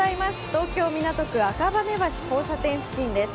東京・港区、赤羽橋交差点付近です。